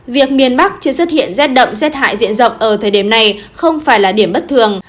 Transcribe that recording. việc miền bắc chưa xuất hiện rét đậm rét hại diện rộng ở thời điểm này không phải là điểm bất thường